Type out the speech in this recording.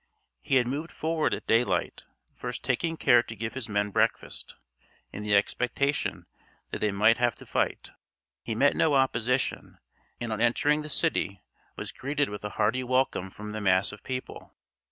He had moved forward at daylight, first taking care to give his men breakfast, in the expectation that they might have to fight. He met no opposition, and on entering the city was greeted with a hearty welcome from the mass of people.